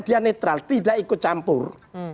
dia netral tidak ikut campur